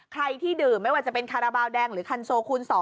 ใครที่ดื่มไม่ว่าจะเป็นคาราบาลแดงหรือคันโซคูณ๒